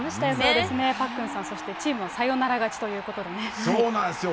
そうですね、パックンさん、そしてチームはサヨナラ勝ちといそうなんですよ。